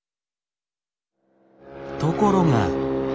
ところが。